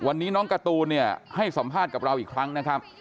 วันนี้น้องการ์ตูนเนี่ยให้สัมภาษณ์กับเราอีกครั้งนะครับ